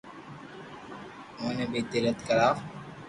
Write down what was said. اوني بي تيرٿ ڪراوُ